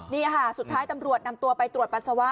นี่ค่ะสุดท้ายตำรวจนำตัวไปตรวจปัสสาวะ